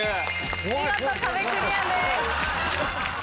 見事壁クリアです。